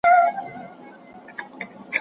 پژو یو کوچنی موټر معرفي کړ.